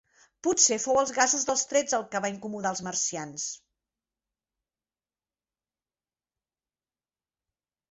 Potser fou els gasos dels trets el que va incomodar els marcians.